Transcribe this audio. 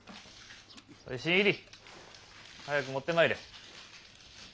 おい新入り早く持ってまいれ。